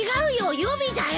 予備だよ。